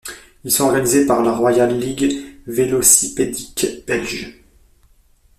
Ils sont organisés par la Royale ligue vélocipédique belge.